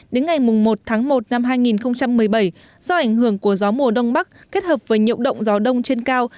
đến ngày một tháng một năm hai nghìn một mươi bảy do ảnh hưởng của gió mùa đông bắc kết hợp với nhiễu động gió đông trên cao